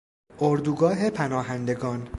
اردوگاه پناهندگان